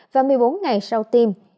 và một mươi bốn ngày sau tiêm